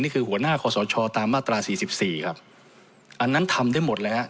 นี่คือหัวหน้าขสชตามมาตรา๔๔ครับอันนั้นทำได้หมดแล้วนะครับ